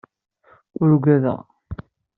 Ur ugadeɣ.